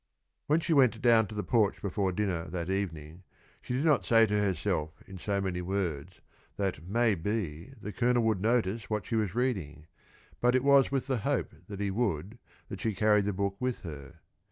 When she went down to the porch before dinner that evening, she did not say to herself in so many words that maybe the Colonel would notice what she was reading, but it was with the hope that he would that she carried the book with her.